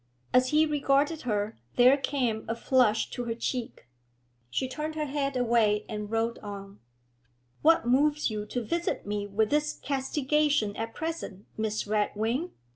As he regarded her there came a flush to her cheek. She turned her head away and rode on. 'And what moves you to visit me with this castigation at present, Miss Redwing?'